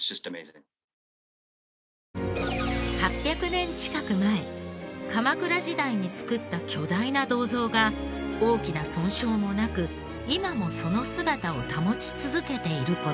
８００年近く前鎌倉時代に造った巨大な銅像が大きな損傷もなく今もその姿を保ち続けている事。